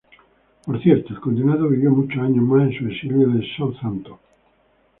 Por cierto, el condenado vivió muchos años más en su exilio en Southampton.